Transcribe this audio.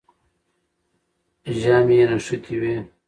ژامنې یې نښتې وې.